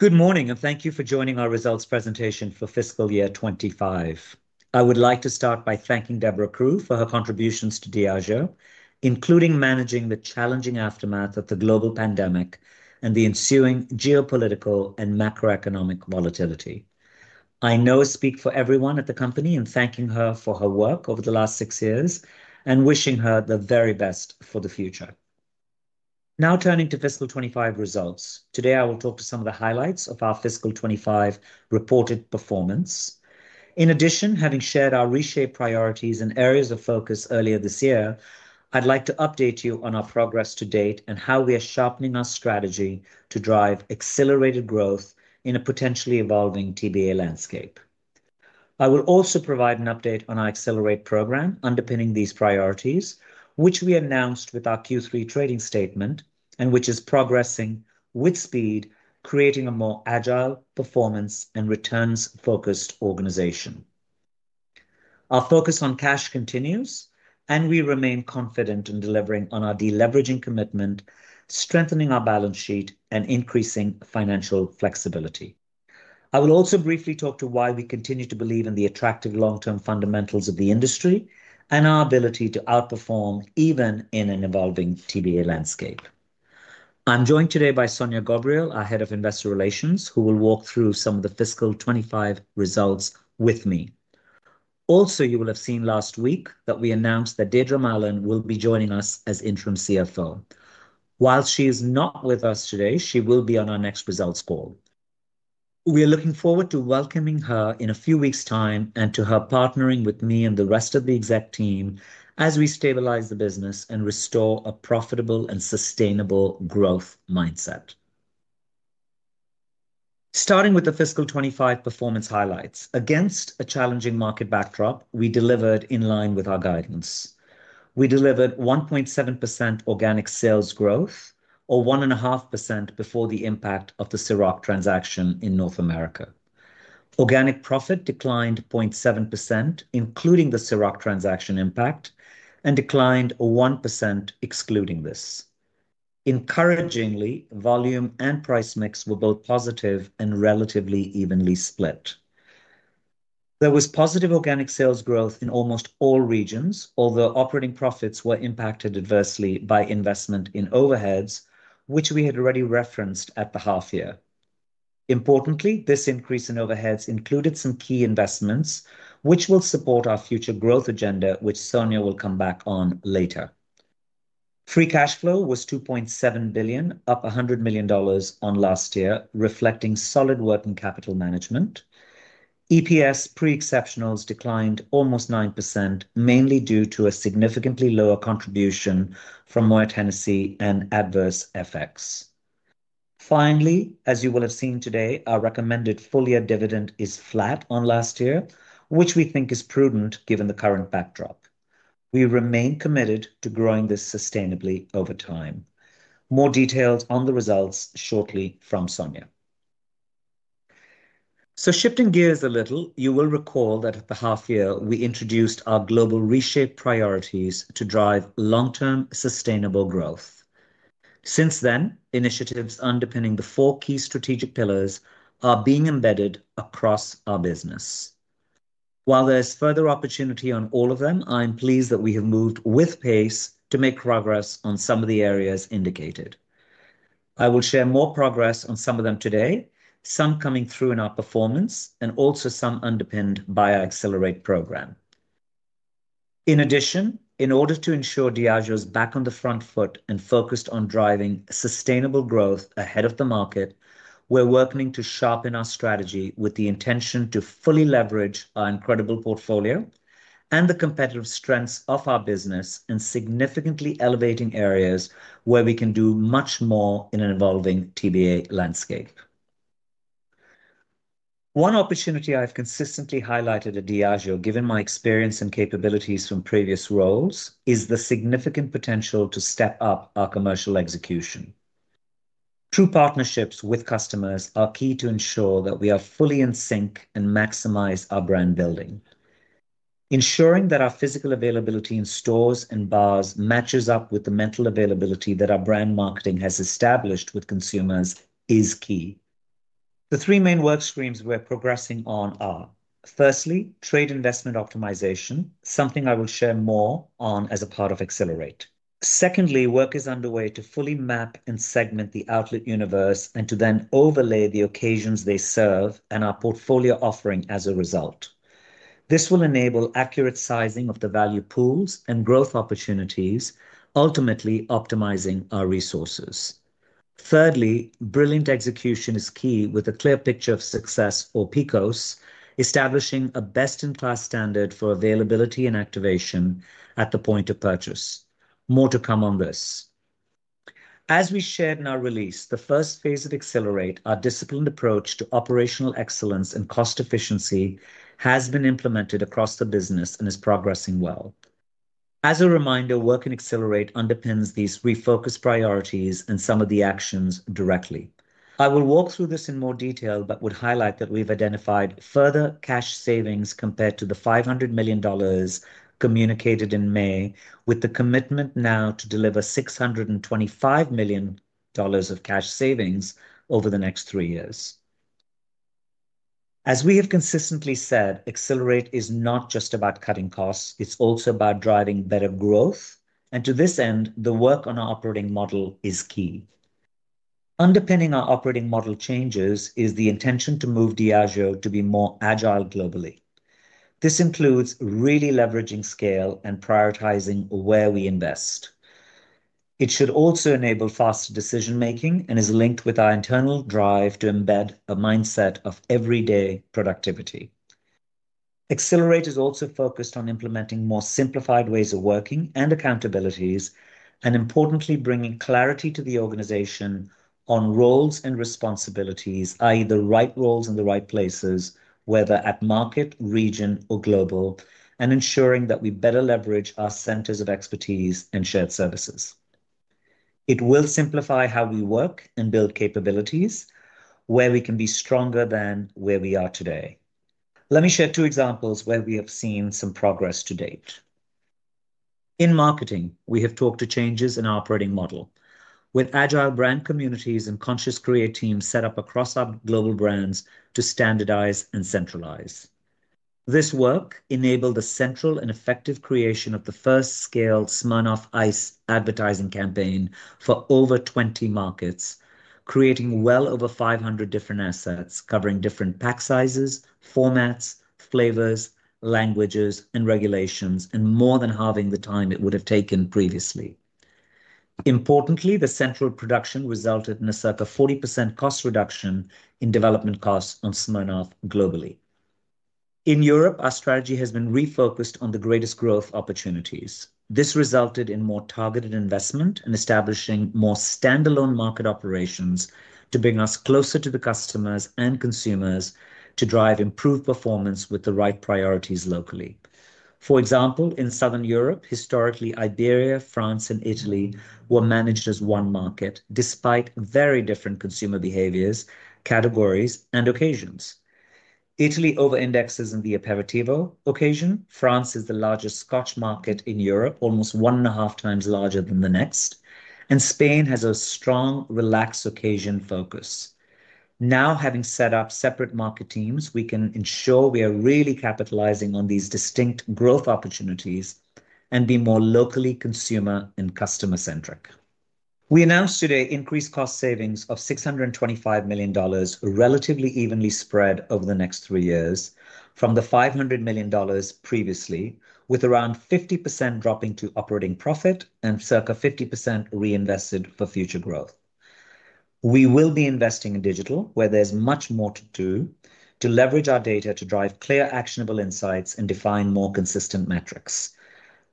Good morning and thank you for joining our results presentation for fiscal year 2025. I would like to start by thanking Debra Crew for her contributions to Diageo, including managing the challenging aftermath of the global pandemic and the ensuing geopolitical and macroeconomic volatility. I know I speak for everyone at the company in thanking her for her work over the last six years and wishing her the very best for the future. Now turning to fiscal 2025 results, today I will talk to some of the highlights of our fiscal 2025 reported performance. In addition, having shared our reshaped priorities and areas of focus earlier this year, I'd like to update you on our progress to date and how we are sharpening our strategy to drive accelerated growth in a potentially evolving TBA landscape. I will also provide an update on our Accelerate programme underpinning these priorities, which we announced with our Q3 trading statement and which is progressing with speed, creating a more agile, performance and returns focused organization. Our focus on cash continues and we remain confident in delivering on our deleveraging commitment, strengthening our balance sheet and increasing financial flexibility. I will also briefly talk to why we continue to believe in the attractive long-term fundamentals of the industry and our ability to outperform even in an evolving TBA landscape. I'm joined today by Sonya Ghobrial, our Head of Investor Relations, who will walk through some of the fiscal 2025 results with me. Also, you will have seen last week that we announced that Deirdre Mahlan will be joining us as Interim CFO. While she is not with us today, she will be on our next results call. We are looking forward to welcoming her in a few weeks' time and to her partnering with me and the rest of the exec team as we stabilize the business and restore a profitable and sustainable growth mindset. Starting with the fiscal 2025 performance highlights, against a challenging market backdrop, we delivered in line with our guidance. We delivered 1.7% organic sales growth, or 1.5% before the impact of the Cîroc transaction in North America. Organic profit declined 0.7% including the Cîroc transaction impact and declined 1% excluding this. Encouragingly, volume and price mix were both positive and relatively evenly split. There was positive organic sales growth in almost all regions, although operating profits were impacted adversely by investment in overheads, which we had already referenced at the half year. Importantly, this increase in overheads included some key investments which will support our future growth agenda, which Sonya will come back on later. Free cash flow was $2.7 billion, up $100 million on last year, reflecting solid working capital management. EPS pre-exceptionals declined almost 9%, mainly due to a significantly lower contribution from Moët Hennessy and adverse FX. Finally, as you will have seen today, our recommended full year dividend is flat on last year, which we think is prudent given the current backdrop. We remain committed to growing this sustainably over time. More details on the results shortly from Sonya. Shifting gears a little, you will recall that at the half year we introduced our global reshape priorities to drive long-term sustainable growth. Since then, initiatives underpinning the four key strategic pillars are being embedded across our business. While there's further opportunity on all of them, I'm pleased that we have moved with pace to make progress on some of the areas indicated. I will share more progress on some of them today, some coming through in our performance and also some underpinned by our Accelerate programme. In addition, in order to ensure Diageo is back on the front foot and focused on driving sustainable growth ahead of the market, we're working to sharpen our strategy with the intention to fully leverage our incredible portfolio and the competitive strengths of our business and significantly elevating areas where we can do much more in an evolving TBA landscape. One opportunity I've consistently highlighted at Diageo, given my experience and capabilities from previous roles, is the significant potential to step up our commercial execution. True partnerships with customers are key to ensure that we are fully in sync and maximize our brand building. Ensuring that our physical availability in stores and bars matches up with the mental availability that our brand marketing has established with consumers is key. The three main work streams we're progressing on are, firstly, trade investment optimization, something I will share more on as a part of Accelerate. Secondly, work is underway to fully map and segment the outlet universe and to then overlay the occasions they serve and our portfolio offering. As a result, this will enable accurate sizing of the value pools and growth opportunities, ultimately optimizing our resources. Thirdly, brilliant execution is key with a clear picture of success or PECOS, establishing a best-in-class standard for availability and activation at the point of purchase. More to come on this. As we shared in our release, the first phase of Accelerate, our disciplined approach to operational excellence and cost efficiency, has been implemented across the business and is progressing well. As a reminder, work in Accelerate underpins these refocused priorities and some of the actions directly. I will walk through this in more detail but would highlight that we've identified further cash savings compared to the $500 million communicated in May, with the commitment now to deliver $625 million of cash savings over the next three years. As we have consistently said, Accelerate is not just about cutting costs, it's also about driving better growth and to this end, the work on our operating model is key. Underpinning our operating model changes is the intention to move Diageo to be more agile globally. This includes really leveraging scale and prioritizing where we invest. It should also enable faster decision-making and is linked with our internal drive to embed a mindset of everyday productivity. Accelerate is also focused on implementing more simplified ways of working and accountabilities and, importantly, bringing clarity to the organization on roles and responsibilities. That is, the right roles in the right places, whether at market, region, or global, and ensuring that we better leverage our centers of expertise and shared services. It will simplify how we work and build capabilities where we can be stronger than where we are today. Let me share two examples where we have seen some progress to date in marketing. We have talked to changes in our operating model with agile brand communities and Conscious Create teams set up across our global brands to standardize and centralize. This work enabled the central and effective creation of the first scale Smirnoff Ice advertising campaign for over 20 markets, creating well over 500 different assets covering different pack sizes, formats, flavors, languages, and regulations, and more than halving the time it would have taken previously. Importantly, the central production resulted in a circa 40% cost reduction in development costs on Smirnoff globally. In Europe, our strategy has been refocused on the greatest growth opportunities. This resulted in more targeted investment in establishing more standalone market operations to bring us closer to the customers and consumers to drive improved performance with the right priorities locally. For example, in Southern Europe, historically Iberia, France, and Italy were managed as one market despite very different consumer behaviors, categories, and occasions. Italy over indexes in Aperitivo occasion, France is the largest Scotch market in Europe, almost 1.5x larger than the next, and Spain has a strong relaxed occasion focus. Now, having set up separate market teams, we can ensure we are really capitalizing on these distinct growth opportunities and be more locally consumer and customer centric. We announced today increased cost savings of $625 million, relatively evenly spread over the next three years from the $500 million previously, 50% dropping to operating profit and circa 50% reinvested for future growth. We will be investing in digital where there's much more to do to leverage our data to drive clear actionable insights and define more consistent metrics.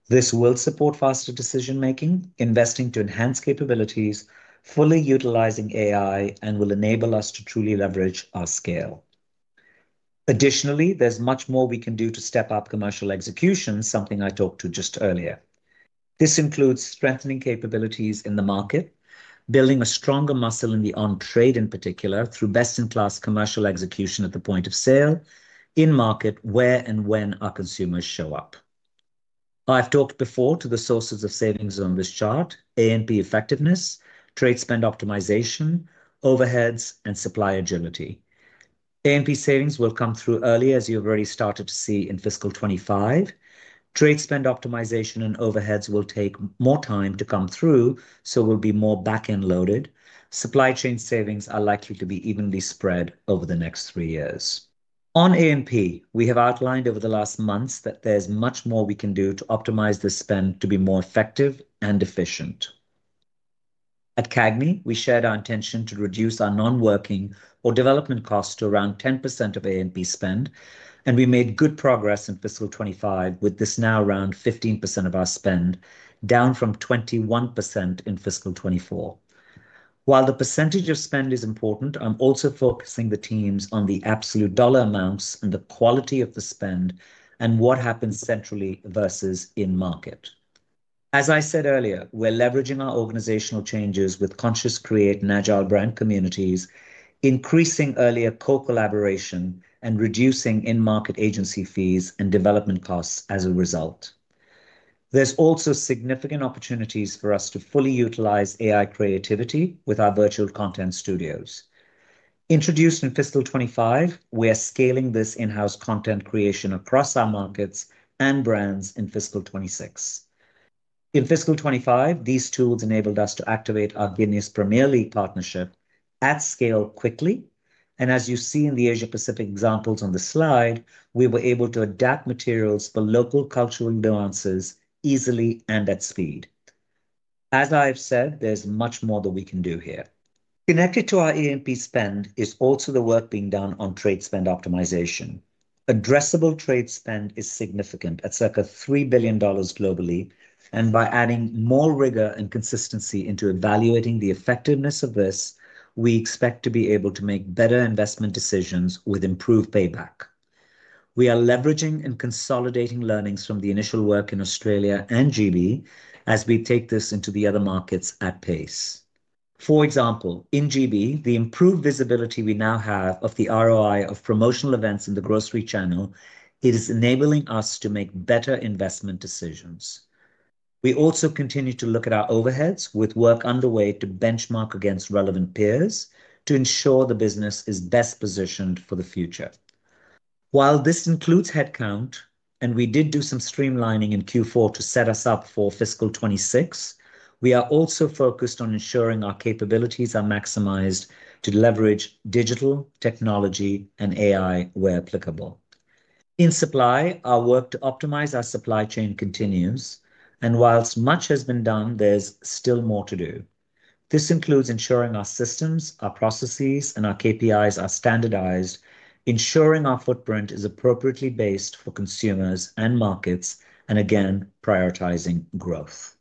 This will support faster decision making, investing to enhance capabilities, fully utilizing AI, and will enable us to truly leverage our scale. Additionally, there's much more we can do to step up commercial execution, something I talked to just earlier. This includes strengthening capabilities in the market, building a stronger muscle in the on trade, in particular through best in class commercial execution at the point of sale in market where and when our consumers show up. I've talked before to the sources of savings on this chart: A&P effectiveness, trade spend optimization, overheads, and supply agility. A&P savings will come through early, as you've already started to see in fiscal 2025. Trade spend optimization and overheads will take more time to come through, so we'll be more back end loaded. Supply chain savings are likely to be evenly spread over the next three years. On A&P, we have outlined over the last months that there's much more we can do to optimize the spend to be more effective and efficient. At CAGNY, we shared our intention to reduce our non-working or development costs to around 10% of A&P spend, and we made good progress in fiscal 2025 with this now around 15% of our spend, down from 21% in fiscal 2024. While the percentage of spend is important, I'm also focusing the teams on the absolute dollar amounts and the quality of the spend and what happens centrally versus in market. As I said earlier, we're leveraging our organizational changes with Conscious Create and agile brand communities, increasing earlier co-collaboration and reducing in-market agency fees and development costs. As a result, there's also significant opportunities for us to fully utilize AI creativity. With our virtual content studios introduced in fiscal 2025, we are scaling this in-house content creation across our markets and brands in fiscal 2026. In fiscal 2025, these tools enabled us to activate our Guinness Premier League partnership at scale quickly, and as you see in the Asia Pacific examples on the slide, we were able to adapt materials for local cultural nuances easily and at speed. As I've said, there's much more that we can do here. Connected to our E&P spend is also the work being done on trade spend optimization. Addressable trade spend is significant at circa $3 billion globally, and by adding more rigor and consistency into evaluating the effectiveness of this, we expect to be able to make better investment decisions with improved payback. We are leveraging and consolidating learnings from the initial work in Australia and GB as we take this into the other markets at pace. For example, in GB, the improved visibility we now have of the ROI of promotional events in the Grocery channel is enabling us to make better investment decisions. We also continue to look at our overheads with work underway to benchmark against relevant peers to ensure the business is best positioned for the future. While this includes headcount and we did do some streamlining in Q4 to set us up for fiscal 2026, we are also focused on ensuring our capabilities are maximized to leverage digital technology and AI where applicable. In supply, our work to optimize our supply chain continues, and whilst much has been done, there's still more to do. This includes ensuring our systems, our processes, and our KPIs are standardized, ensuring our footprint is appropriately based for consumers and markets, and again prioritizing growth.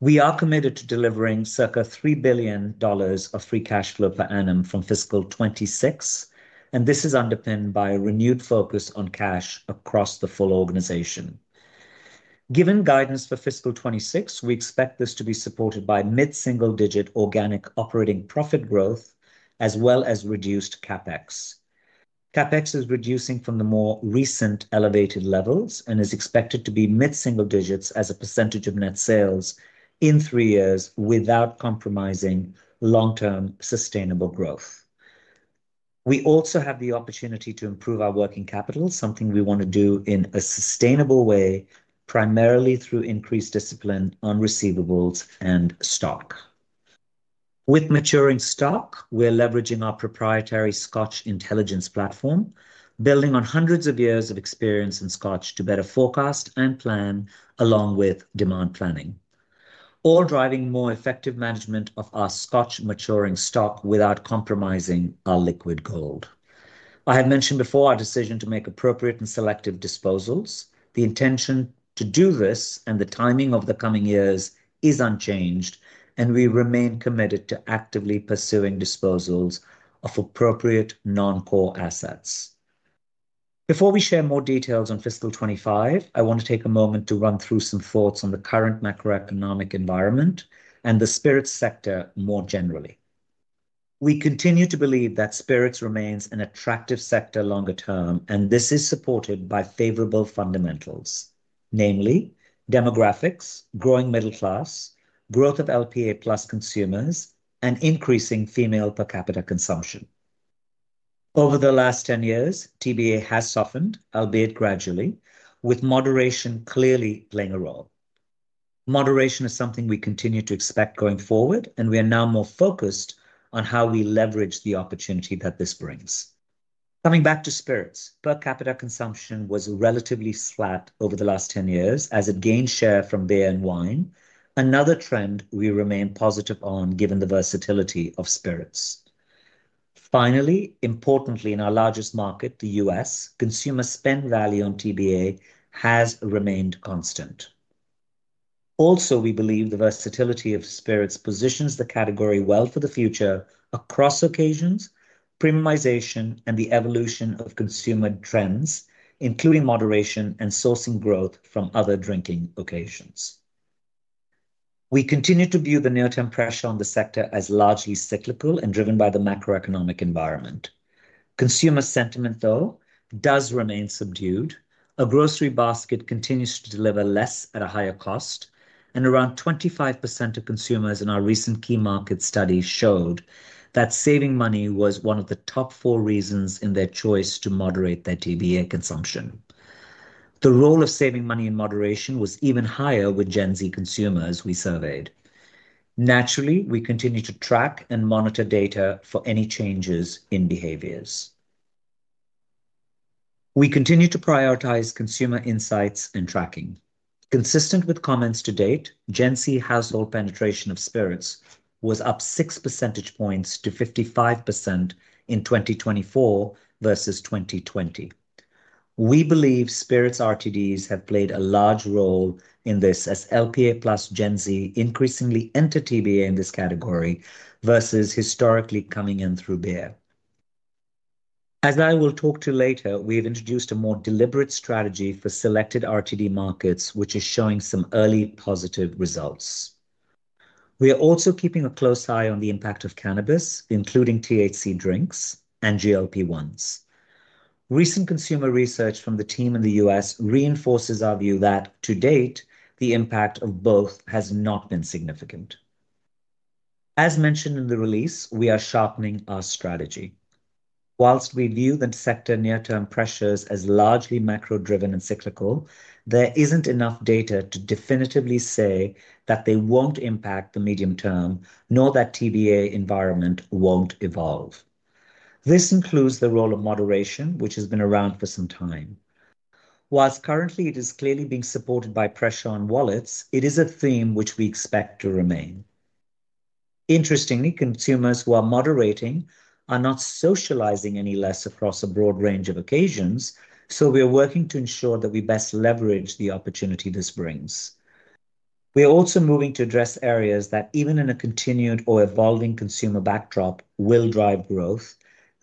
We are committed to delivering circa $3 billion of free cash flow per annum from fiscal 2026, and this is underpinned by a renewed focus on cash across the full organization. Given guidance for fiscal 2026, we expect this to be supported by mid single digit organic operating profit growth as well as reduced CapEx. CapEx is reducing from the more recent elevated levels and is expected to be mid single digits as a percentage of net sales and in three years without compromising long term sustainable growth. We also have the opportunity to improve our working capital, something we want to do in a sustainable way primarily through increased discipline on receivables and stock. With maturing stock we're leveraging our proprietary Scotch Intelligence platform, building on hundreds of years of experience in Scotch to better forecast and plan along with demand planning, all driving more effective management of our Scotch maturing stock without compromising our liquid gold. I have mentioned before our decision to make appropriate and selective disposals. The intention to do this and the timing of the coming years is unchanged and we remain committed to actively pursuing disposals of appropriate non core assets. Before we share more details on fiscal 2025, I want to take a moment to run through some thoughts on the current macroeconomic environment and the spirits sector more generally. We continue to believe that spirits remains an attractive sector longer term and this is supported by favorable fundamentals namely demographics, growing middle class, growth of LPA+ consumers and increasing female per capita consumption. Over the last 10 years, TBA has softened, albeit gradually, with moderation clearly playing a role. Moderation is something we continue to expect going forward and we are now more focused on how we leverage the opportunity that this brings. Coming back to spirits per capita consumption was relatively flat over the last 10 years as it gained share from beer and wine, another trend we remain positive on given the versatility of spirits. Finally, importantly in our largest market, the U.S. consumer spend rally on TBA has remained constant. Also, we believe the versatility of spirits positions the category well for the future across occasions, premiumization and the evolution of consumer trends including moderation and sourcing growth from other drinking occasions. We continue to view the near term pressure on the sector as largely cyclical and driven by the macroeconomic environment. Consumer sentiment though does remain subdued. A grocery basket continues to deliver less at a higher cost, and around 25% of consumers in our recent key market study showed that saving money was one of the top four reasons in their choice to moderate their TBA consumption. The role of saving money in moderation was even higher with Gen Z consumers we surveyed. Naturally, we continue to track and monitor data for any changes in behaviors. We continue to prioritize consumer insights and tracking. Consistent with comments to date, Gen Z household penetration of spirits was up 6 percentage points to 55% in 2024 versus 2020. We believe spirits RTDs have played a large role in this as LPA+ Gen Z increasingly enter TBA in this category versus historically coming in through beer. As I will talk to later, we have introduced a more deliberate strategy for selected RTD markets, which is showing some early positive results. We are also keeping a close eye on the impact of cannabis, including THC drinks and GLP-1s. Recent consumer research from the team in the U.S. reinforces our view that to date the impact of both has not been significant. As mentioned in the release, we are sharpening our strategy. Whilst we view the sector near-term pressures as largely macro driven and cyclical, there isn't enough data to definitively say that they won't impact the medium term nor that the TBA environment won't evolve. This includes the role of moderation, which has been around for some time. Whilst currently it is clearly being supported by pressure on wallets, it is a theme which we expect to remain. Interestingly, consumers who are moderating are not socializing any less across a broad range of occasions, so we are working to ensure that we best leverage the opportunity this brings. We are also moving to address areas that, even in a continued or evolving consumer backdrop, will drive growth,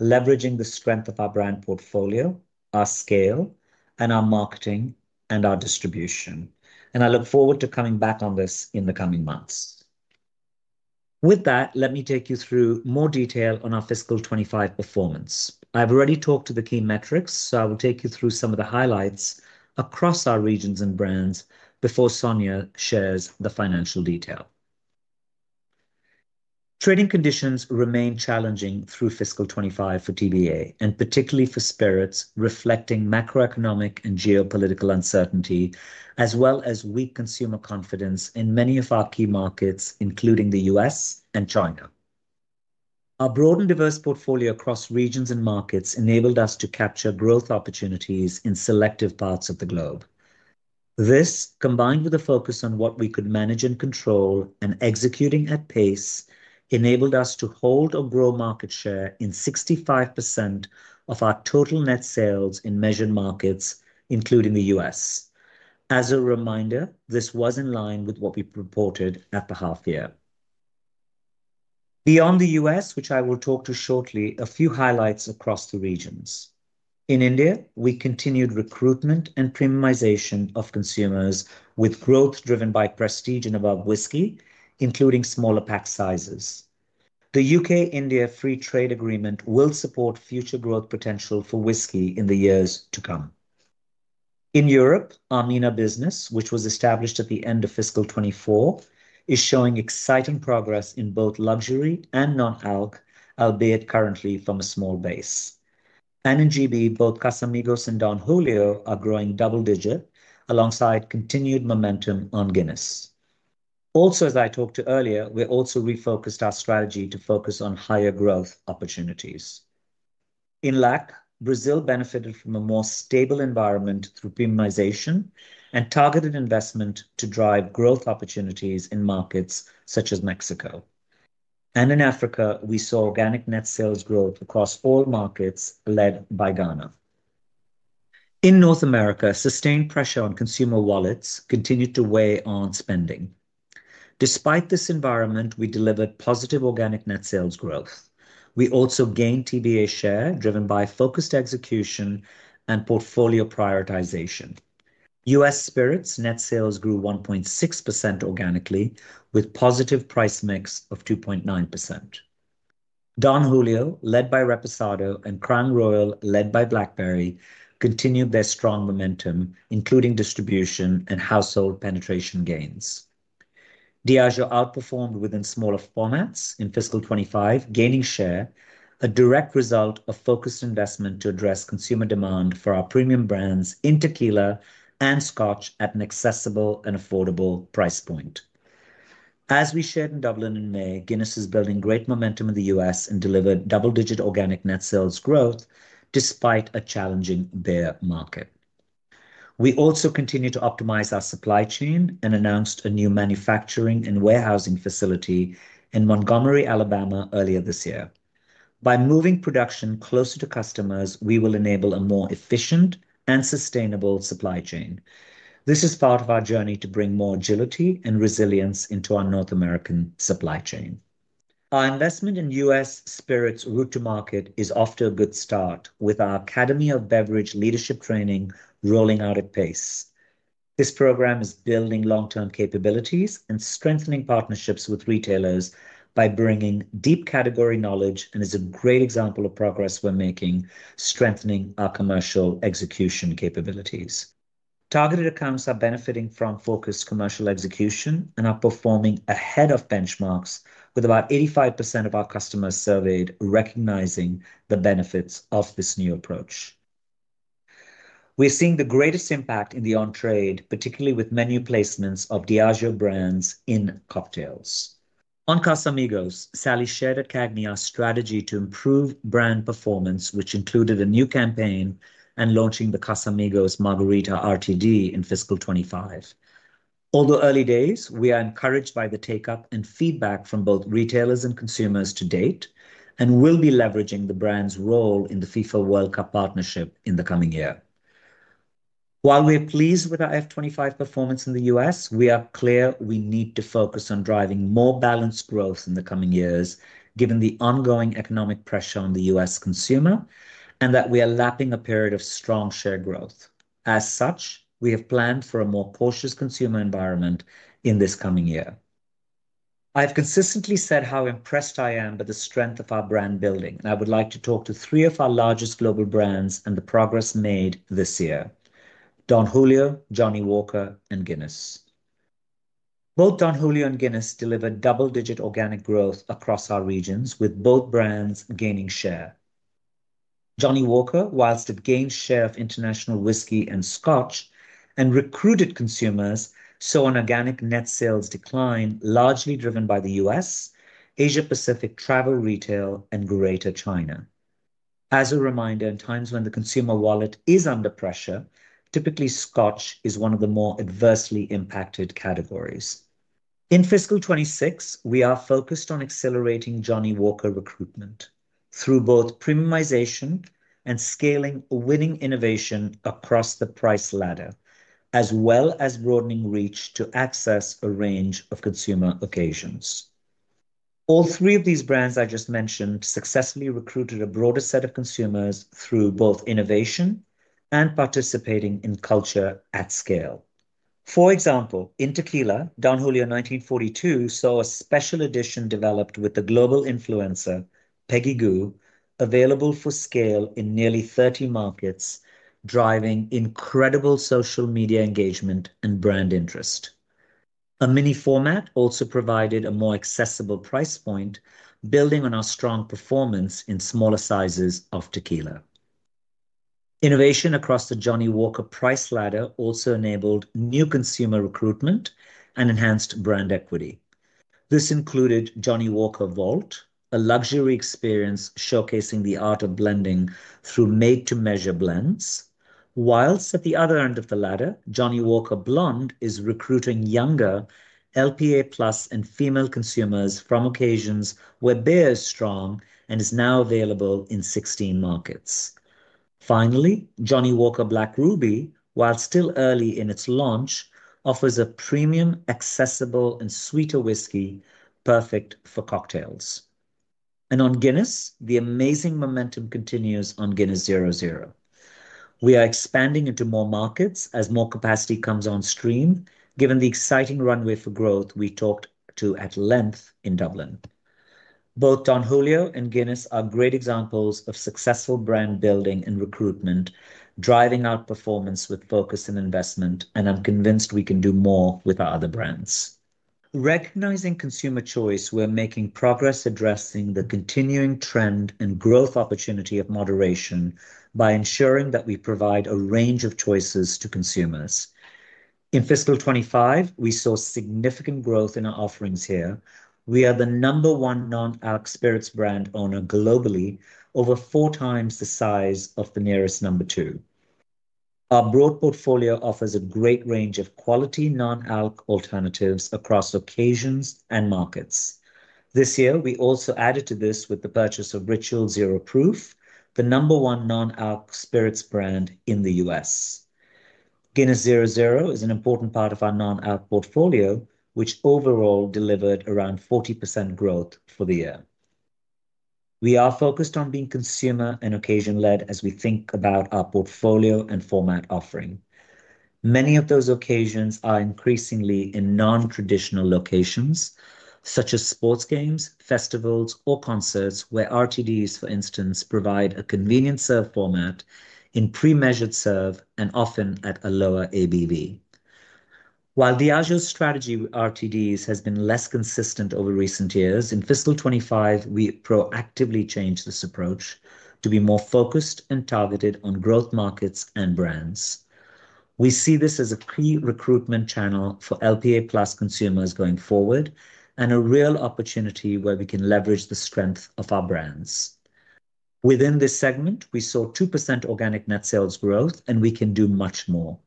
leveraging the strength of our brand portfolio, our scale, our marketing, and our distribution, and I look forward to coming back on this in the coming months. With that, let me take you through more detail on our fiscal 2025 performance. I've already talked to the key metrics, so I will take you through some of the highlights across our regions and brands before Sonya Ghobrial shares the financial detail. Trading conditions remain challenging through fiscal 2025 for TBA and particularly for spirits, reflecting macroeconomic and geopolitical uncertainty as well as weak consumer confidence in many of our key markets, including the U.S. and China. Our broad and diverse portfolio across regions and markets enabled us to capture growth opportunities in selective parts of the globe. This, combined with a focus on what we could manage and control and executing at pace, enabled us to hold or grow market share in 65% of our total net sales in measured markets including the U.S. As a reminder, this was in line with what we reported at the half year. Beyond the U.S., which I will talk to shortly, a few highlights across the regions. In India, we continued recruitment and premiumization of consumers with growth driven by prestige and above whisky, including smaller pack sizes. The UK-India Free Trade Agreement will support future growth potential for whisky in the years to come. In Europe, our MENA business, which was established at the end of fiscal 2024, is showing exciting progress in both luxury and non-alc, albeit currently from a small base, and in GB. Both Casamigos and Don Julio are growing double digit alongside continued momentum on Guinness. Also, as I talked to earlier, we also refocused our strategy to focus on higher growth opportunities in LAC. Brazil benefited from a more stable environment through premiumization and targeted investment to drive growth opportunities in markets such as Mexico, and in Africa, we saw organic net sales growth across all markets led by Ghana. In North America, sustained pressure on consumer wallets continued to weigh on spending. Despite this environment, we delivered positive organic net sales growth. We also gained TBA share driven by focused execution and portfolio prioritization. U.S. spirits net sales grew 1.6% organically with positive price mix of 2.9%. Don Julio, led by Reposado, and Crown Royal, led by Blackberry, continued their strong momentum including distribution and household penetration gains. Diageo outperformed within smaller formats in fiscal 2025, gaining share, a direct result of focused investment to address consumer demand for our premium brands in Tequila and Scotch at an accessible and affordable price point. As we shared in Dublin in May, Guinness is building great momentum in the U.S. and delivered double digit organic net sales growth despite a challenging beer market. We also continue to optimize our supply chain and announced a new manufacturing and warehousing facility in Montgomery, Alabama earlier this year. By moving production closer to customers, we will enable a more efficient and sustainable supply chain. This is part of our journey to bring more agility and resilience into our North American supply chain. Our investment in U.S. Spirits' route to market is off to a good start with our Academy of Beverage Leadership Training rolling out at pace. This program is building long-term capabilities and strengthening partnerships with retailers by bringing deep category knowledge and is a great example of progress we're making strengthening our commercial execution capabilities. Targeted accounts are benefiting from focused commercial execution and are performing ahead of benchmarks. With about 85% of our customers surveyed recognizing the benefits of this new approach, we're seeing the greatest impact in the on-trade, particularly with menu placements of Diageo brands in cocktails on Casamigos. Sally shared at CAGNY our strategy to improve brand performance, which included a new campaign and launching the Casamigos Margarita RTD in fiscal 2025. Although early days, we are encouraged by the take up and feedback from both retailers and consumers to date and will be leveraging the brand's role in the FIFA World Cup partnership in the coming year. While we are pleased with our fiscal 2025 performance in the U.S., we are clear we need to focus on driving more balanced growth in the coming years given the ongoing economic pressure on the U.S. consumer and that we are lapping a period of strong share growth. As such, we have planned for a more cautious consumer environment in this coming year. I have consistently said how impressed I am by the strength of our brand building and I would like to talk to three of our largest global brands and the progress made this year: Don Julio, Johnnie Walker, and Guinness. Both Don Julio and Guinness delivered double-digit organic growth across our regions with both brands gaining share. Johnnie Walker, whilst it gained share of international whisky and Scotch and recruited consumers, saw an organic net sales decline largely driven by the U.S., Asia Pacific, travel retail, and Greater China. As a reminder, in times when the consumer wallet is under pressure, typically Scotch is one of the more adversely impacted categories. In fiscal 2026 we are focused on accelerating Johnnie Walker recruitment through both premiumization and scaling winning innovation across the price ladder as well as broadening reach to access a range of consumer occasions. All three of these brands I just mentioned successfully recruited a broader set of consumers through both innovation and participating in culture at scale. For example, in Tequila, Don Julio 1942 saw a special edition developed with the global influencer Peggy Gou available for scale in nearly 30 markets, driving incredible social media engagement and brand interest. A mini format also provided a more accessible price point, building on our strong performance in smaller sizes of tequila. Innovation across the Johnnie Walker price ladder also enabled new consumer recruitment and enhanced brand equity. This included Johnnie Walker Vault, a luxury experience showcasing the art of blending through made to measure blends, whilst at the other end of the ladder, Johnnie Walker Blonde is recruiting younger LPA+ and female consumers from occasions where they're strong and is now available in 16 markets. Finally, Johnnie Walker Black Ruby, while still early in its launch, offers a premium, accessible and sweeter whisky perfect for cocktails and on Guinness the amazing momentum continues on Guinness 0.0. We are expanding into more markets as more capacity comes on stream. Given the exciting runway for growth we talked about at length in Dublin. Both Don Julio and Guinness are great examples of successful brand building and recruitment, driving outperformance with focus and investment and I'm convinced we can do more with our other brands. Recognizing consumer choice we're making progress addressing the continuing trend and growth opportunity of moderation by ensuring that we provide a range of choices to consumers. In fiscal 2025 we saw significant growth in our offerings. Here we are the number one non-alc spirits brand owner globally, over four times the size of the nearest number two. Our broad portfolio offers a great range of quality non-alc alternatives across occasions and markets. This year we also added to this with the purchase of Ritual Zero Proof, the number one non-alc spirits brand in the U.S. Guinness 0.0 is an important part of our non-alc portfolio which overall delivered around 40% growth for the year. We are focused on being consumer and occasion led as we think about our portfolio and format offering. Many of those occasions are increasingly in non-traditional locations such as sports, games, festivals or concerts where RTDs for instance provide a convenient serve format and in pre-measured serve and often at a lower ABV. While Diageo's strategy with RTDs has been less consistent over recent years, in fiscal 2025 we proactively changed this approach to be more focused and targeted on growth markets and brands. We see this as a key recruitment channel for LPA+ consumers going forward and a real opportunity where we can leverage the strength of our brands. Within this segment we saw 2% organic net sales growth and we can do much more.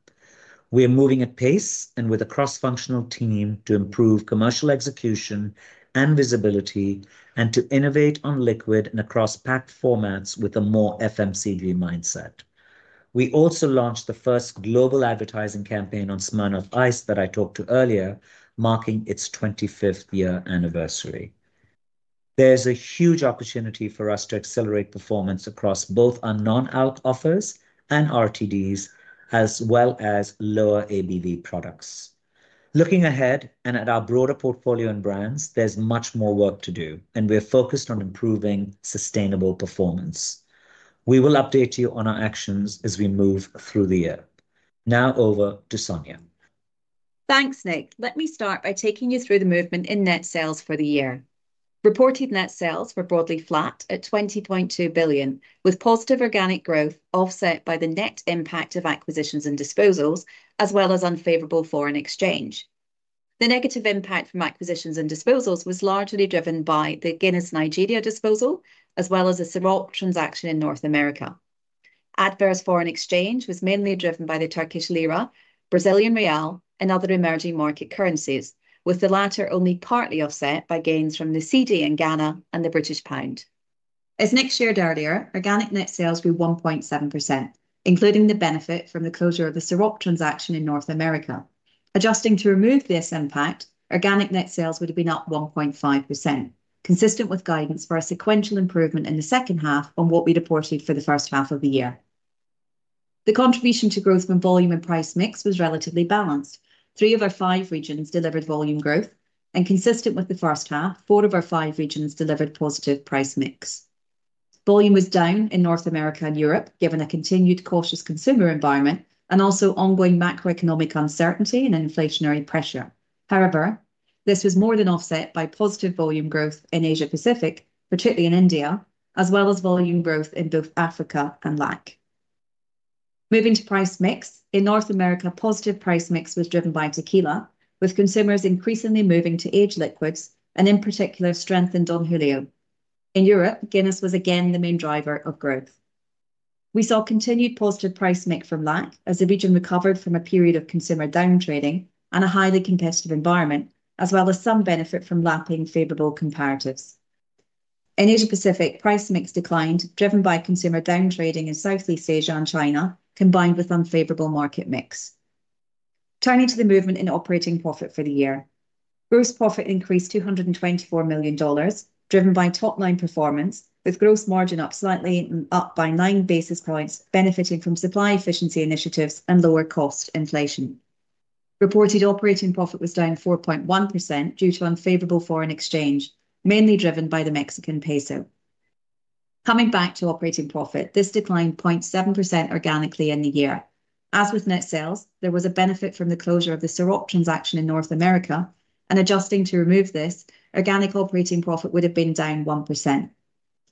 We are moving at pace and with a cross-functional team to improve commercial execution and visibility and to innovate on liquid and across pack formats with a more FMCG mindset. We also launched the first global advertising campaign on Smirnoff Ice that I talked to earlier, marking its 25th year anniversary. There's a huge opportunity for us to accelerate performance across both our non-alk offers and RTDs as well as lower ABV products. Looking ahead and at our broader portfolio and brands, there's much more work to do and we're focused on improving sustainable performance. We will update you on our actions as we move through the year. Now over to Sonya. Thanks Nik. Let me start by taking you through the movement in net sales for the year. Reported net sales were broadly flat at $20.2 billion, with positive organic growth offset by the net impact of acquisitions and disposals as well as unfavorable foreign exchange. The negative impact from acquisitions and disposals was largely driven by the Guinness Nigeria disposal as well as the Siralt transaction. In North America, adverse foreign exchange was mainly driven by the Turkish Lira, Brazilian Real, and other emerging market currencies, with the latter only partly offset by gains from the Cedi in Ghana and the British Pound. As Nik shared earlier, organic net sales grew 1.7% including the benefit from the closure of the Siral transaction in North America. Adjusting to remove this impact, organic net sales would have been up 1.5%, consistent with guidance for a sequential improvement in the second half on what we reported. For the first half of the year, the contribution to growth from volume and price mix was relatively balanced. Three of our five regions delivered volume growth, and consistent with the first half, four of our five regions delivered positive price mix. Volume was down in North America and Europe given a continued cautious consumer environment and also ongoing macroeconomic uncertainty and inflationary pressure. However, this was more than offset by positive volume growth in Asia Pacific, particularly in India, as well as volume growth in both Africa and Latin America and Caribbean. Moving to price mix in North America, positive price mix was driven by tequila, with consumers increasingly moving to aged liquids and in particular strength in Don Julio. In Europe, Guinness was again the main driver of growth. We saw continued positive price mix from Latin America and Caribbean as the region recovered from a period of consumer down trading and a highly competitive environment, as well as some benefit from lapping favorable comparatives. In Asia Pacific, price mix declined, driven by consumer down trading in Southeast Asia and China combined with unfavorable market mix. Turning to the movement in operating profit for the year, gross profit increased $224 million driven by top line performance with gross margin up slightly, up by nine basis points, benefiting from supply efficiency initiatives and lower cost inflation. Reported operating profit was down 4.1% due to unfavorable foreign exchange, mainly driven by the Mexican Peso. Coming back to operating profit, this declined 0.7% organically in the year. As with net sales, there was a benefit from the closure of the Sirop transaction in North America and adjusting to remove this, organic operating profit would have been down 1%.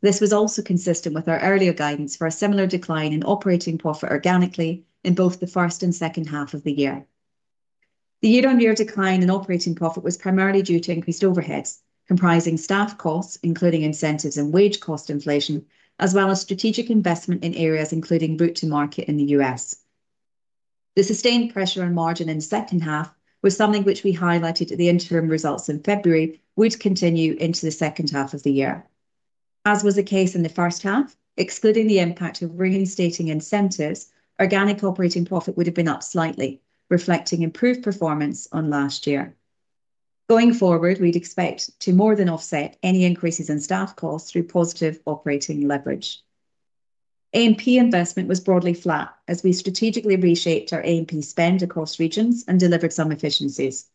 This was also consistent with our earlier guidance for a similar decline in operating profit organically in both the first and second half of the year. The year-on-year decline in operating profit was primarily due to increased overheads comprising staff costs including incentives and wage cost inflation as well as strategic investment in areas including route to market. In the U.S. the sustained pressure on margin in the second half was something which we highlighted at the interim results in February would continue into the second half of the year. As was the case in the first half, excluding the impact of reinstating incentives, organic operating profit would have been up slightly, reflecting improved performance on last year. Going forward, we'd expect to more than offset any increases in staff costs through positive operating leverage. A&P investment was broadly flat as we strategically reshaped our A&P spend across regions and delivered some efficiencies.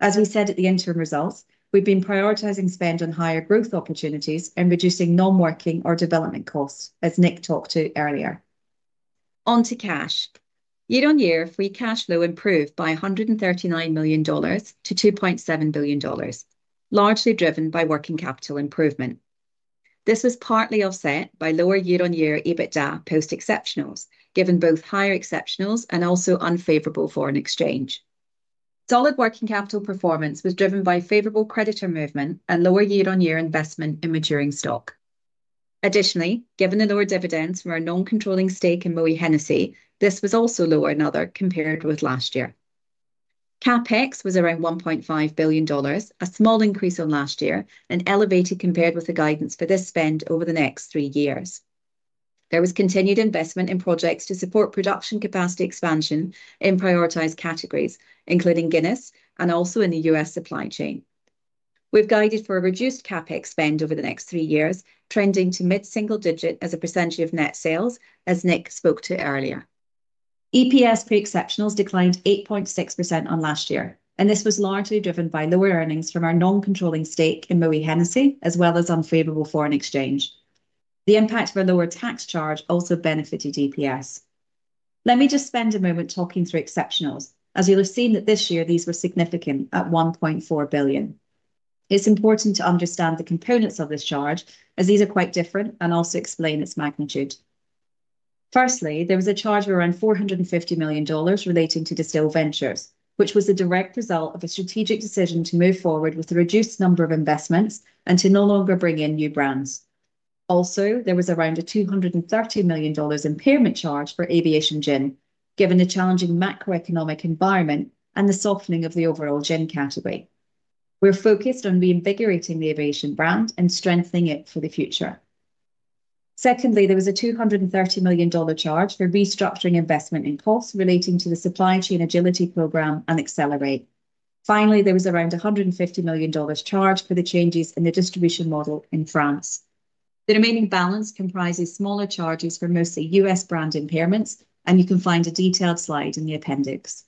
As we said at the interim results, we've been prioritizing spend on higher growth opportunities and reducing non-working or development costs. As Nik talked to earlier on, to cash, year-on-year free cash flow improved by $139 million-$2.7 billion, largely driven by working capital improvement. This was partly offset by lower year-on-year EBITDA post exceptionals. Given both higher exceptionals and also unfavorable foreign exchange, solid working capital performance was driven by favorable creditor movement and lower year-on-year investment in maturing stock. Additionally, given the lower dividends from our non-controlling stake in Moët Hennessy, this was also lower compared with last year. CapEx was around $1.5 billion, a small increase on last year and elevated compared with the guidance for this spend. Over the next three years, there was continued investment in projects to support production capacity expansion in prioritized categories including Guinness and also in the U.S. supply chain. We've guided for a reduced CapEx spend over the next three years trending to mid-single digit as a percentage of net sales. As Nik spoke to earlier, EPS pre-exceptionals declined 8.6% on last year and this was largely driven by lower earnings from our non-controlling stake in Moët Hennessy as well as unfavorable foreign exchange. The impact for lower tax charge also benefited EPS. Let me just spend a moment talking through exceptionals as you'll have seen that this year these were significant at $1.4 billion. It's important to understand the components of this charge as these are quite different and also explain its magnitude. Firstly, there was a charge of around $450 million relating to Distill Ventures which was a direct result of a strategic decision to move forward with a reduced number of investments and to no longer bring in new brands. Also, there was around a $230 million impairment charge for Aviation Gin. Given the challenging macroeconomic environment and the softening of the overall gin category, we're focused on reinvigorating the Aviation brand and strengthening it for the future. Secondly, there was a $230 million charge for restructuring investment in costs relating to the Supply Chain Agility Program and Accelerate. Finally, there was around $150 million charged for the changes in the distribution model in France. The remaining balance comprises smaller charges for mostly U.S. brand impairments and you can find a detailed slide in the appendix.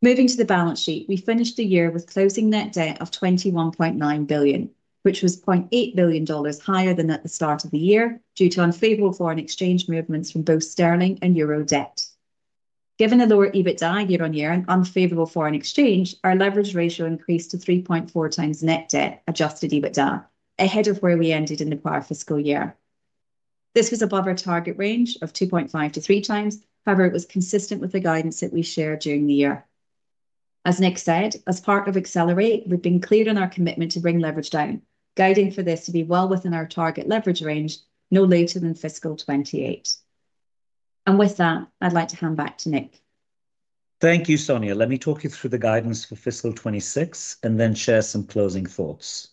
Moving to the balance sheet, we finished the year with closing net debt of $21.9 billion, which was $0.8 billion higher than at the start of the year due to unfavorable foreign exchange movements from both sterling and euro debt. Given a lower EBITDA year on year and unfavorable foreign exchange, our leverage ratio increased to 3.4x net debt adjusted EBITDA ahead of where we ended in the prior fiscal year. This was above our target range of 2.5x-3x. However, it was consistent with the guidance that we shared during the year. As Nik said, as part of Accelerate, we've been clear on our commitment to bring leverage down, guiding for this to be well within our target leverage range no later than fiscal 2028 and with that I'd like to hand back to Nik. Thank you, Sonya. Let me talk you through the guidance for fiscal 2026 and then share some closing thoughts.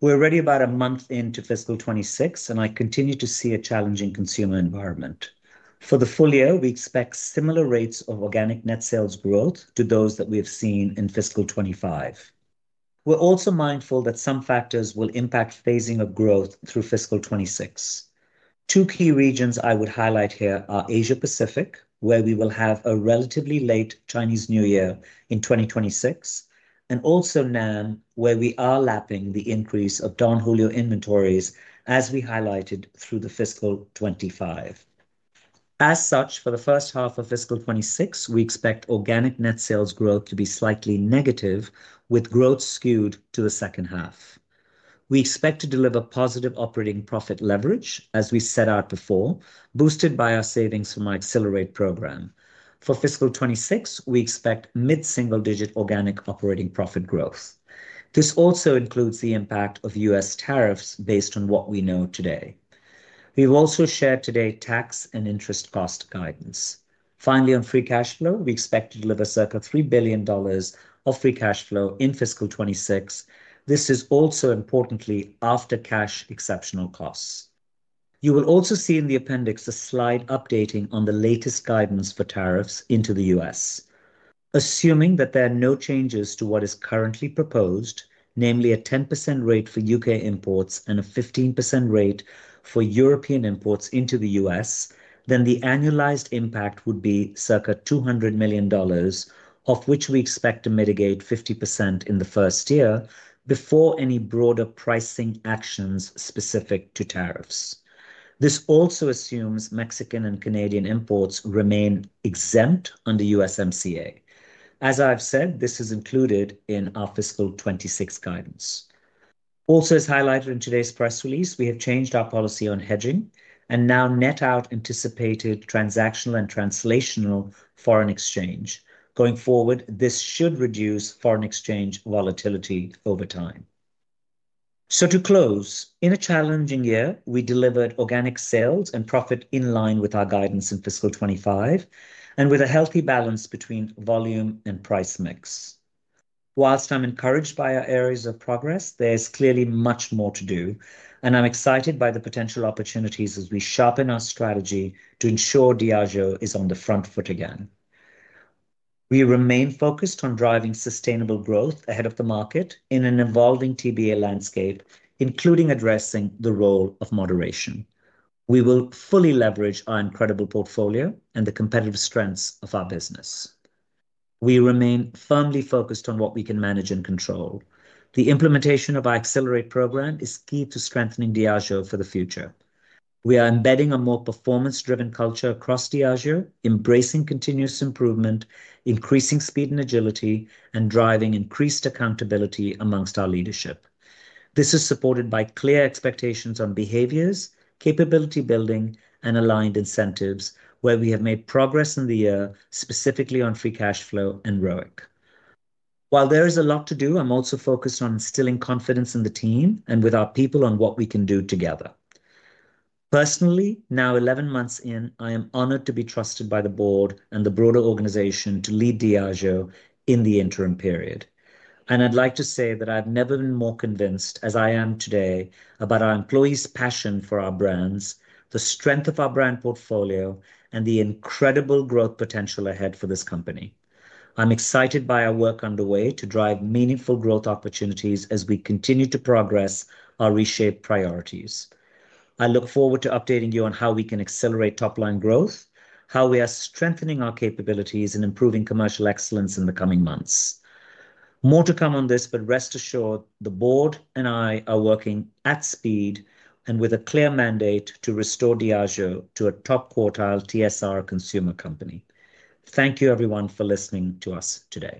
We're already about a month into fiscal 2026 and I continue to see a challenging consumer environment. For the full year, we expect similar rates of organic net sales growth to those that we have seen in fiscal 2025. We're also mindful that some factors will impact phasing of growth through fiscal 2026. Two key regions I would highlight here are Asia Pacific, where we will have a relatively late Chinese New Year in 2026, and also North America, where we are lapping the increase of Don Julio inventories as we highlighted through fiscal 2025. As such, for the first half of fiscal 2026, we expect organic net sales growth to be slightly negative, with growth skewed to the second half. We expect to deliver positive operating profit leverage as we set out before, boosted by our savings from our Accelerate programme. For fiscal 2026, we expect mid single digit organic operating profit growth. This also includes the impact of U.S. tariffs based on what we know today. We've also shared today tax and interest cost guidance. Finally, on free cash flow, we expect to deliver circa $3 billion of free cash flow in fiscal 2026. This is also importantly after cash exceptional costs. You will also see in the appendix a slide updating on the latest guidance for tariffs into the U.S. Assuming that there are no changes to what is currently proposed, namely a 10% rate for U.K. imports and a 15% rate for European imports into the U.S., then the annualized impact would be circa $200 million, of which we expect to mitigate 50% in the first year before any broader pricing actions specific to tariffs. This also assumes Mexican and Canadian imports remain exempt under USMCA. As I've said, this is included in our fiscal 2026 guidance. Also, as highlighted in today's press release, we have changed our policy on hedging and now net out anticipated transactional and translational foreign exchange going forward. This should reduce foreign exchange volatility over time. To close, in a challenging year we delivered organic sales and profit in line with our guidance in fiscal 2025 and with a healthy balance between volume and price mix. Whilst I'm encouraged by our areas of progress, there's clearly much more to do, and I'm excited by the potential opportunities as we sharpen our strategy to ensure Diageo is on the front foot again. We remain focused on driving sustainable growth ahead of the market in an evolving TBA landscape, including addressing the role of moderation. We will fully leverage our incredible portfolio and the competitive strengths of our business. We remain firmly focused on what we can manage and control. The implementation of our Accelerate programme is key to strengthening Diageo for the future. We are embedding a more performance-driven culture across Diageo, embracing continuous improvement, increasing speed and agility, and driving increased accountability amongst our leadership. This is supported by clear expectations on behaviors, capability building, and aligned incentives, where we have made progress in the year specifically on free cash flow and ROIC. While there is a lot to do, I'm also focused on instilling confidence in the team and with our people on what we can do together. Personally, now 11 months in, I am honored to be trusted by the Board and the broader organization to lead Diageo in the interim period, and I'd like to say that I've never been more convinced as I am today about our employees' passion for our brands, the strength of our brand portfolio, and the incredible growth potential ahead for this company. I'm excited by our work underway to drive meaningful growth opportunities as we continue to progress our reshaped priorities. I look forward to updating you on how we can accelerate top-line growth, how we are strengthening our capabilities, and improving commercial excellence in the coming months. More to come on this, but rest assured the Board and I are working at speed and with a clear mandate to restore Diageo to a top quartile TSR consumer company. Thank you everyone for listening to us today.